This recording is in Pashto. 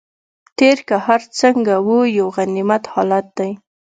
تېر که هر څنګه و یو غنیمت حالت دی.